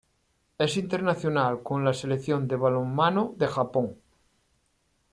Es internacional con la Selección de balonmano de Japón.